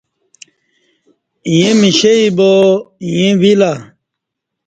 ییں مشئی با ایں ویلہ